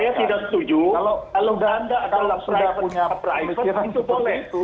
saya tidak setuju kalau sudah anda atau sudah punya private itu boleh